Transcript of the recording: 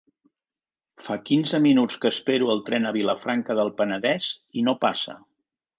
Fa quinze minuts que espero el tren a Vilafranca del Penedès i no passa.